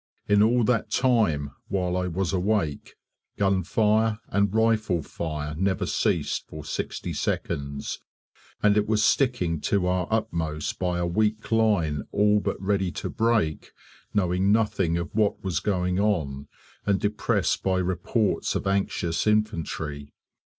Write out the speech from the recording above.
In all that time while I was awake, gunfire and rifle fire never ceased for sixty seconds, and it was sticking to our utmost by a weak line all but ready to break, knowing nothing of what was going on, and depressed by reports of anxious infantry.